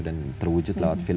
dan terwujud lewat film